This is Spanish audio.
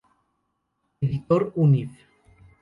Editor Univ.